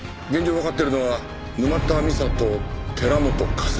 わかってるのは沼田美沙と寺本香澄。